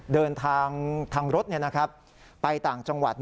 เดินทางทางรถไปต่างจังหวัด